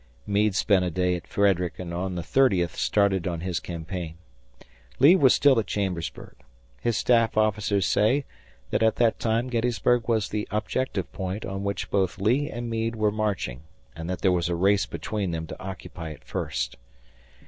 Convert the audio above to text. Meade spent a day at Frederick and on the thirtieth started on his campaign. Lee was still at Chambersburg. His staff officers say that at that time Gettysburg was the objective point on which both Lee and Meade were marching, and that there was a race between them to occupy it first.